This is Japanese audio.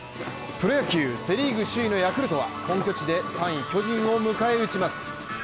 プロ野球、セ・リーグ首位のヤクルトは本拠地で３位・巨人を迎え撃ちます。